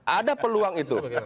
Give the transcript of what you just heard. ada peluang itu